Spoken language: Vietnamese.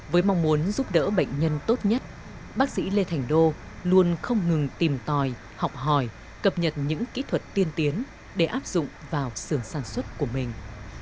với mong muốn giúp đỡ bệnh nhân tốt nhất bác sĩ lê thành đô luôn không ngừng tìm tòi học hỏi cập nhật những kỹ thuật tiên tiến để áp dụng vào sưởng sản xuất của mình